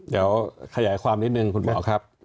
เดี๋ยวขยายความนิดนึงคุณหมอครับ